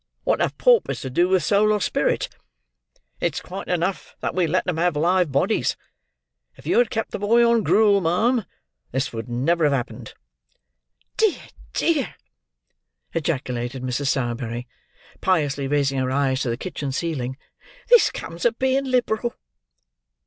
What have paupers to do with soul or spirit? It's quite enough that we let 'em have live bodies. If you had kept the boy on gruel, ma'am, this would never have happened." "Dear, dear!" ejaculated Mrs. Sowerberry, piously raising her eyes to the kitchen ceiling: "this comes of being liberal!"